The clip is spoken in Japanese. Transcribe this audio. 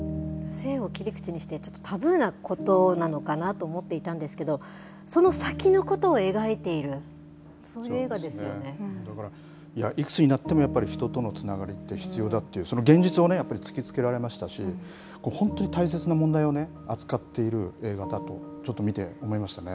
性を切り口にして、ちょっとタブーなことなのかなと思っていたんですけれども、その先のことを描いている、だから、いくつになってもやっぱり人とのつながりって必要だっていう、その現実をやっぱり突きつけられましたし、本当に大切な問題を扱っている映画だと、ちょっと見て思いましたね。